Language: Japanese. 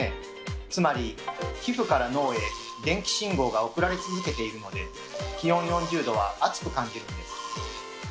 つまり皮膚から脳へ電気信号が送られ続けているので気温４０℃は暑く感じるんです。